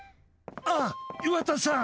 あ、岩田さん！